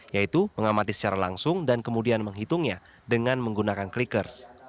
yaitu mengamati secara langsung dan kemudian menghitungnya dengan menggunakan klikers